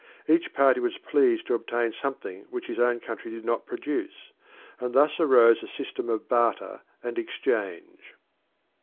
Each party was pleased to obtain something which his own country did not produce, and thus arose a system of barter and exchange.